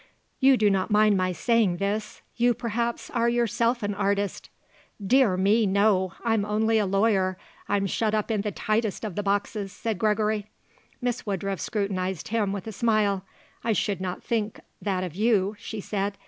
You do not mind my saying this? You, perhaps, are yourself an artist?" "Dear me, no; I'm only a lawyer. I'm shut up in the tightest of the boxes," said Gregory. Miss Woodruff scrutinized him with a smile. "I should not think that of you," she said.